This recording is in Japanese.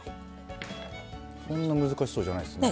そんな難しそうじゃないですね。